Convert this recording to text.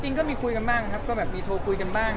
จริงก็มีคุยกันบ้างแบบมีโทรคุยกันบ้าง